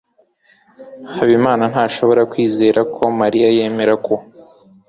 Habimana ntashobora kwizera ko Mariya yemera ko.